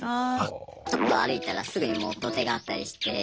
ちょっと歩いたらすぐにもう土手があったりして。